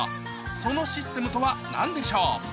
そのシステムとは何でしょう？